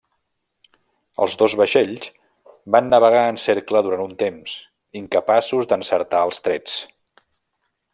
Els dos vaixells van navegar en cercle durant un temps, incapaços d'encertar els trets.